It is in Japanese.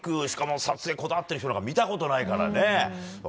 しかも、撮影にこだわっている人見たことないからね。